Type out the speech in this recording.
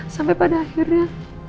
sampai pada akhirnya